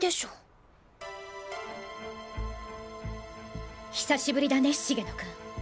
心の声久しぶりだね茂野くん。